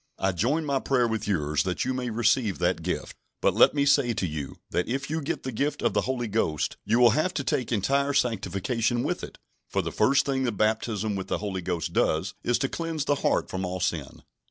I join my prayer with yours that you may receive that gift. But let me say to you, that if you get the gift of the Holy Ghost, you will have to take entire sanctification with it, for the first thing the baptism with the Holy Ghost does is to cleanse the heart from all sin."